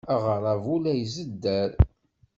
Aɣerrabu la izedder!